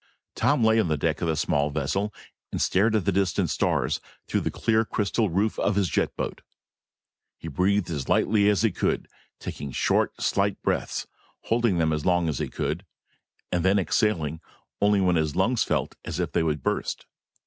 Tom lay on the deck of the small vessel and stared at the distant stars through the clear crystal roof of his jet boat. He breathed as lightly as he could, taking short, slight breaths, holding them as long as he could and then exhaling only when his lungs felt as if they would burst.